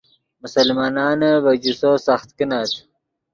مسلمانانے ڤے جوسو سخت کینت